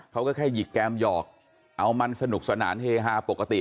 เขาก็แค่หยิกแกมหยอกเอามันสนุกสนานเฮฮาปกติ